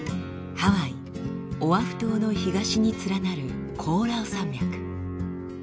ハワイオアフ島の東に連なるコオラウ山脈。